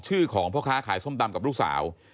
ชื่อของพ่อค้าขายส้มตำกับลูกสาว